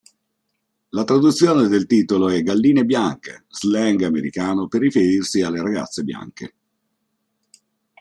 La traduzione del titolo è "galline bianche", "slang" americano per riferirsi alle ragazze bianche.